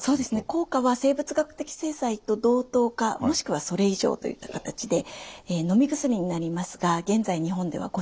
効果は生物学的製剤と同等かもしくはそれ以上といった形でのみ薬になりますが現在日本では５種類使うことができます。